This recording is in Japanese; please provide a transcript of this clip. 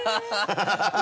ハハハ